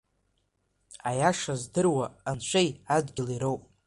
Аиаша здыруа Анцәеи адгьыли роуп.